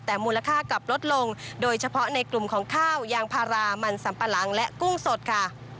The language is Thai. แต่มูลค่ากลับลดลงโดยเฉพาะในกลุ่มของข้าวยางพารามันสัมปะหลังและกุ้งสดค่ะ